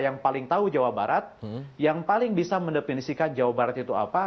yang paling tahu jawa barat yang paling bisa mendefinisikan jawa barat itu apa